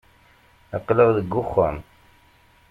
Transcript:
Aql-aɣ deg uxxam.